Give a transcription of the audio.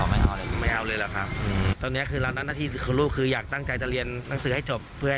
แม่ไม่อยู่แล้วจากโต๊ะขี้มันร้องได้แล้ว